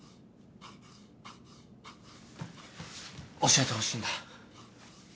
教えてほしいんだ。